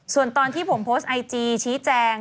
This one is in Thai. ส่วนตอนที่ผมโพสต์ไอจีชี้แจง